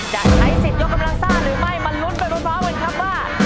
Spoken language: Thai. จะใช้สิทธิ์ยกกำลังซ่าหรือไม่มาลุ้นไปพร้อมกันครับว่า